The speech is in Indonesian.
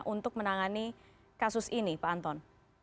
untuk menangani kasus ini pak anton